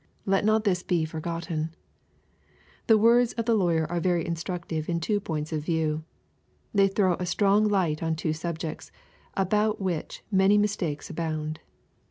Let not this be forgotten. The words of the lawyer are very instruc tive in two points of view. They throw a strong light on two subjects, ^bout which many mistakes abound.